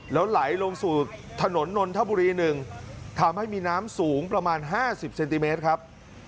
แล้วไหลลงสู่ถนนนนทบุรี๑ทำให้มีน้ำสูงประมาณ๕๐เซนติเมตรครับ